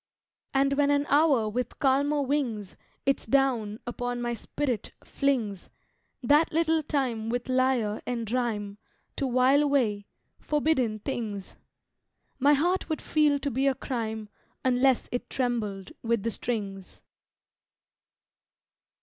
And when an hour with calmer wings Its down upon my spirit flings That little time with lyre and rhyme To while away forbidden things! My heart would feel to be a crime Unless it trembled with the strings.